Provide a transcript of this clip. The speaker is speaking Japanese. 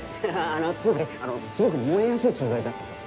あのつまりすごく燃えやすい素材だってこと。